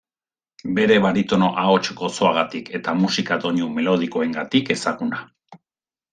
Bere baritono ahots gozoagatik eta musika-doinu melodikoengatik ezaguna.